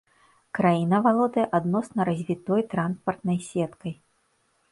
Краіна валодае адносна развітой транспартнай сеткай.